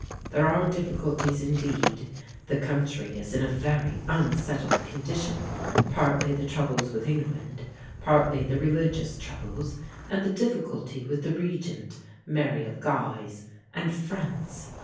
There are difficulties indeed; the country is in a very unsettled condition, partly the troubles with England, partly the religious troubles and the difficulty with the regent, Mary of Guise, and France.